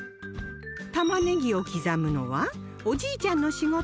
玉ねぎを刻むのはおじいちゃんの仕事